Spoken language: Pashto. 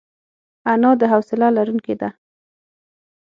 انا د حوصله لرونکې ده